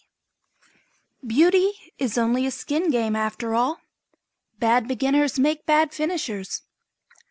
"] Beauty is only a skin game after all. Bad beginners make bad finishers.